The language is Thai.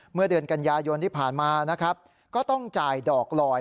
เมื่อเดือนกันยายนที่ผ่านมานะครับก็ต้องจ่ายดอกลอย